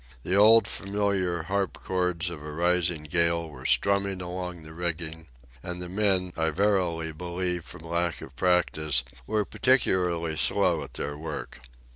The old familiar harp chords of a rising gale were strumming along the rigging, and the men, I verily believe from lack of practice, were particularly slow at their work.